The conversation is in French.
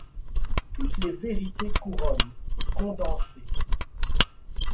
Toutes les vérités couronnent, condensées